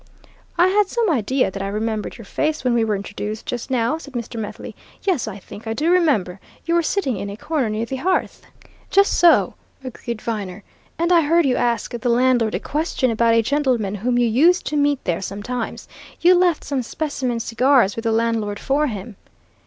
"I had some idea that I remembered your face when we were introduced just now," said Methley. "Yes, I think I do remember you were sitting in a corner near the hearth?" "Just so," agreed Viner. "And I heard you ask the landlord a question about a gentleman whom you used to meet there sometimes you left some specimen cigars with the landlord for him."